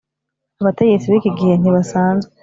Abategetsi bikigihe ntibasanzwe